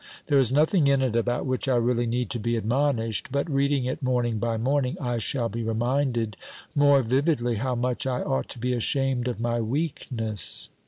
There is nothing in it about which 254 OBERMANN I really need to be admonished, but reading it morning by morning I shall be reminded more vividly how much I ought to be ashamed of my weakness.